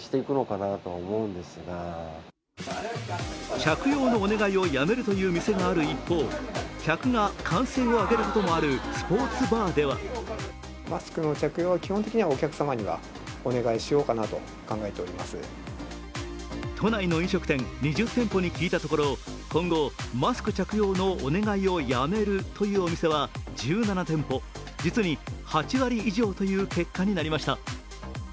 着用のお願いをやめるという店がある一方、客が歓声を上げることもあるスポーツバーでは都内の飲食店２０店舗に聞いたところ、今後、マスク着用のお願いをやめるというお店は１７店舗、実に８割以上という結果になりました。